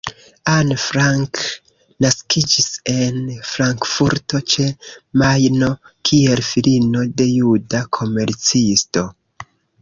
Anne Frank naskiĝis en Frankfurto ĉe Majno kiel filino de juda komercisto.